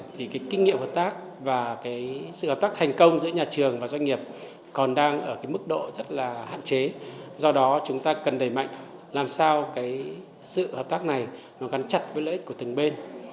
vì sự hợp tác này gắn chặt với lợi ích của từng bên